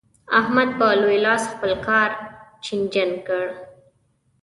احمد په لوی لاس خپل کار چينجن کړ.